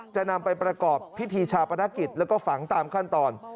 จะนำไปประกอบพิธีชาปนกิจแล้วก็ฝังตามขั้นตอน